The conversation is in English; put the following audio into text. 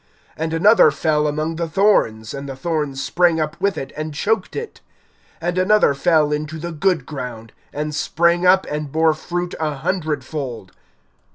(7)And another fell among the thorns; and the thorns sprang up with it, and choked it. (8)And another fell into the good ground, and sprang up, and bore fruit a hundredfold.